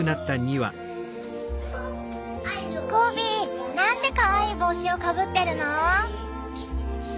ゴビなんてかわいい帽子をかぶってるの。